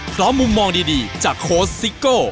พร้อมมองดีจากโค้สสิ๊กโก่